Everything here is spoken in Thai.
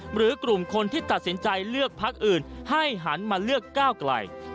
หรือกลุ่มคนที่ตัดสินใจเลือกพักอื่นให้หันมาเลือกก้าวไกล